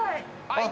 はい